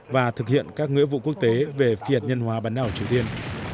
và thực hiện các ngưỡng vụ quốc tế về phi hạt nhân hóa bắn đảo triều tiên